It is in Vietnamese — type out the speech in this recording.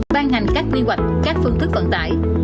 ban hành các quy hoạch các phương thức vận tải